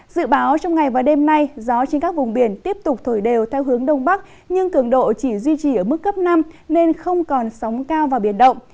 dự báo trong ngày và đêm nay gió trên các vùng biển tiếp tục thổi đều theo hướng đông bắc nhưng cường độ chỉ duy trì ở mức cấp năm nên không còn sóng cao và biển động